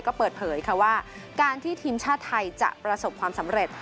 ก็เปิดเผยค่ะว่าการที่ทีมชาติไทยจะประสบความสำเร็จ